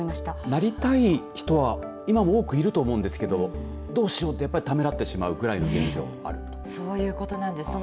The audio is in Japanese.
なりたい人は今も多くいると思うんですけどどうしようとためらってしまうくらいのそういうことなんです。